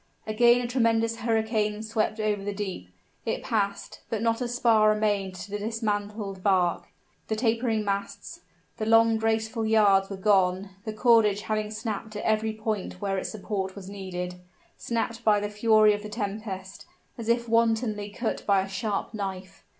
Again a tremendous hurricane swept over the deep: it passed, but not a spar remained to the dismantled bark. The tapering masts, the long graceful yards were gone, the cordage having snapped at every point where its support was needed snapped by the fury of the tempest, as if wantonly cut by a sharp knife.